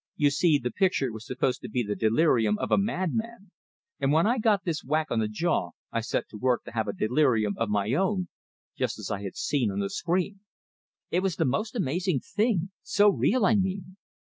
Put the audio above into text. You see, the picture was supposed to be the delirium of a madman, and when I got this whack on the jaw, I set to work to have a delirium of my own, just as I had seen on the screen. It was the most amazing thing so real, I mean.